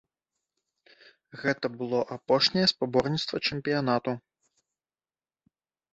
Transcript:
Гэта было апошняе спаборніцтва чэмпіянату.